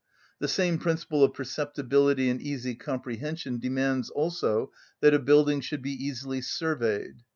The same principle of perceptibility and easy comprehension demands also that a building should be easily surveyed.